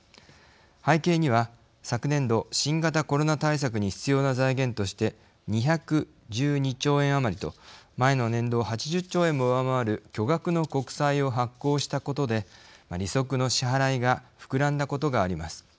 背景には昨年度新型コロナ対策に必要な財源として２１２兆円余りと前の年度を８０兆円も上回る巨額の国債を発行したことで利息の支払いが膨らんだことがあります。